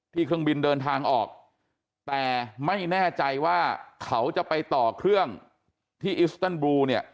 เครื่องบินเดินทางออกแต่ไม่แน่ใจว่าเขาจะไปต่อเครื่องที่อิสตันบลูเนี่ย